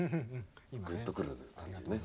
ぐっと来る感じのね。